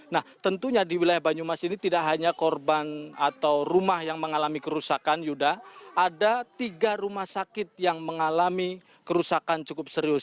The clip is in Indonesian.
nah tentunya di wilayah banyumas ini tidak hanya korban atau rumah yang mengalami kerusakan yuda ada tiga rumah sakit yang mengalami kerusakan cukup serius